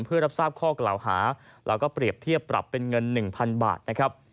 เพื่อรับทราบข้อกล่าวหาแล้วก็เปรียบเทียบปรับเป็นเงิน๑๐๐๐บาทนะครับ